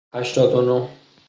هشتاد و نه